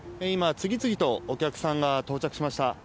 今、次々とお客さんが到着しました。